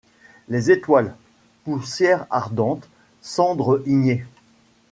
Les étoiles, poussière ardente, cendre ignée